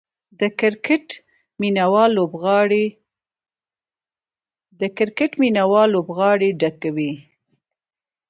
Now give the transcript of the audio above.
د کرکټ مینه وال لوبغالي ډکوي.